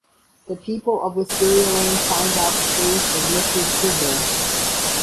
The people of Wisteria Lane find out the fate of Mrs. Huber.